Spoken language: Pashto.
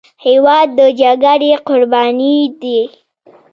هېواد د جګړې قرباني دی.